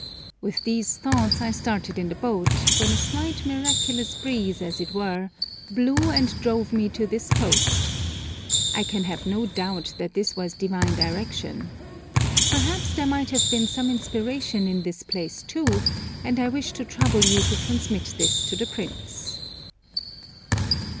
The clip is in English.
With these thoughts I started in the boat, when a slight miraculous breeze, as it were, blew, and drove me to this coast. I can have no doubt that this was divine direction. Perhaps there might have been some inspiration in this place, too; and I wish to trouble you to transmit this to the Prince."